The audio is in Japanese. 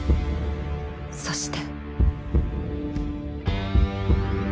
そして。